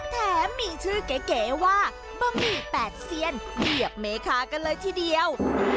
แถมมีชื่อเก๋ว่าบะหมี่แตกเซียนเหยียบเมคากันเลยทีเดียว